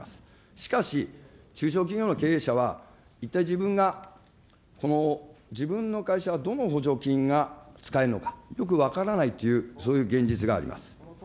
しかし、中小企業の経営者は、一体自分がこの自分の会社はどの補助金が使えるのかよく分からないというそういう現実があります。